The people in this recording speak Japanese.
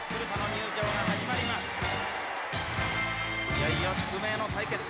いよいよ宿命の対決。